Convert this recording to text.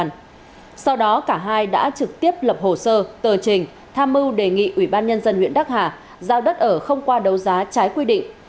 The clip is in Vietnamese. nguyễn cao yến và ninh thành luân đã trực tiếp lập hồ sơ tờ trình tham mưu đề nghị ủy ban nhân dân huyện đắc hà giao đất ở không qua đấu giá trái quy định